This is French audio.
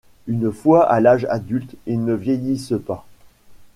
Une fois à l'âge adulte, ils ne vieillissent pas.